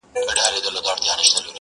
• دا ستا په ياد كي بابولاله وايم،